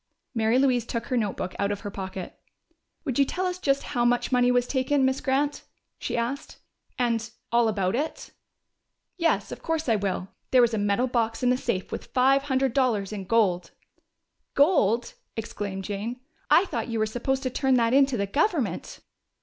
Mary Louise took her notebook out of her pocket. "Would you tell us just how much money was taken, Miss Grant?" she asked. "And all about it?" "Yes, of course I will. There was a metal box in the safe with five hundred dollars in gold " "Gold!" exclaimed Jane. "I thought you were supposed to turn that in to the government!"